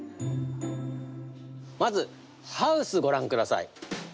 まず、ハウスご覧ください。